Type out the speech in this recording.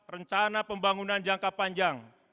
rencana pembangunan jangka panjang